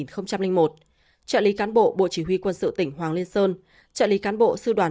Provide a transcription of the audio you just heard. trợ lý cán bộ bộ chỉ huy quân sự tỉnh hoàng liên sơn trợ lý cán bộ sư đoàn ba trăm năm mươi năm